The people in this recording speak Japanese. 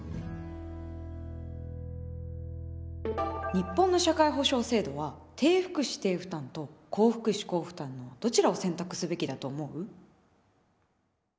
日本の社会保障制度は「低福祉・低負担」と「高福祉・高負担」のどちらを選択すべきだと思う？